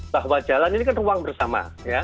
bahwa jalan ini kan ruang bersama